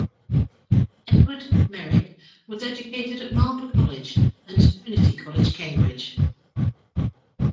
Edward Meyrick was educated at Marlborough College and Trinity College, Cambridge.